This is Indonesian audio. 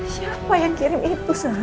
siapa yang kirim itu